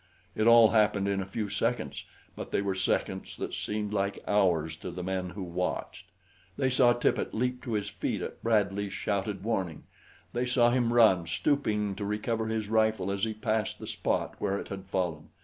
It all happened in a few seconds; but they were seconds that seemed like hours to the men who watched. They saw Tippet leap to his feet at Bradley's shouted warning. They saw him run, stooping to recover his rifle as he passed the spot where it had fallen.